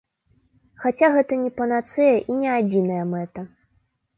Хаця гэта не панацэя і не адзіная мэта.